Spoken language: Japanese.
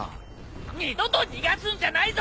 二度と逃がすんじゃないぞ！